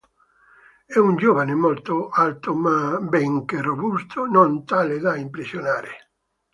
È un giovane molto alto ma, benché robusto, non tale da impressionare.